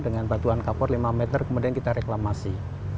dengan batuan kapor lima meter kemudian kita reklamasi